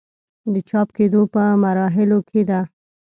د چاپ کيدو پۀ مراحلو کښې ده